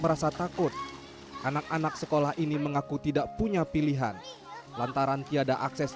merasa takut anak anak sekolah ini mengaku tidak punya pilihan lantaran tiada akses